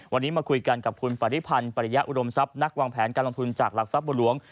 วันนี้มาคุยกันกับคุณปริพันธ์ปริยะอุดมทรัพย์นักวางแผนการลงทุนจากหลักทรัพย์บัวหลวง